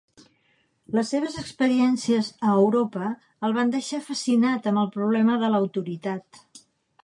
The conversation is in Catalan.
Les seves experiències a Europa el van deixar fascinat amb el problema de l'autoritat.